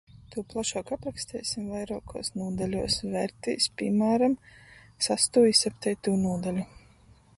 Tū plašuok apraksteisim vairuokuos nūdaļuos, vērtīs, pīmāram, sastū i septeitū nūdaļu.